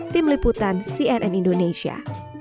tim liputan cnn indonesia